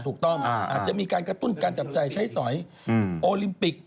ถูกต้องอาจจะมีการกระตุ้นการจับจ่ายใช้สอยโอลิมปิก